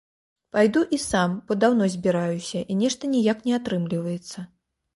Пайду і сам, бо даўно збіраюся і нешта ніяк не атрымліваецца.